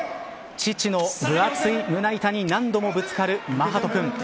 父の分厚い胸板に何度もぶつかる眞羽人君。